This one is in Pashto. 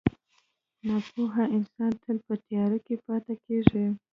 • ناپوهه انسان تل په تیارو کې پاتې کېږي.